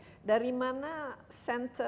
kita bisa berbicara makin dengan penuh